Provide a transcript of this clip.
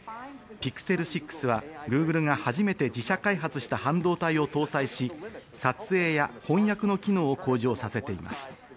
Ｐｉｘｅｌ６はＧｏｏｇｌｅが初めて自社開発した半導体を搭載し、撮影や翻訳の機能を向上させています。